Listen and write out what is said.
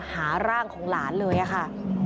หาร่างของหลานเลยค่ะ